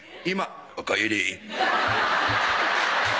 今「おかえり」